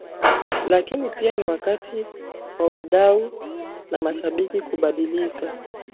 Lakini pia Ni wakati wa wadau na mashabiki kubadilika